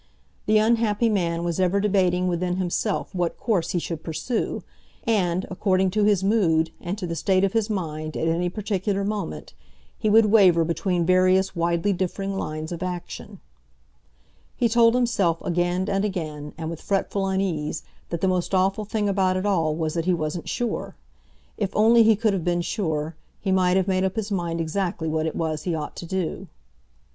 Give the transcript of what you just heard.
The unhappy man was ever debating within himself what course he should pursue, and, according to his mood and to the state of his mind at any particular moment, he would waver between various widely differing lines of action. He told himself again and again, and with fretful unease, that the most awful thing about it all was that he wasn't sure. If only he could have been sure, he might have made up his mind exactly what it was he ought to do.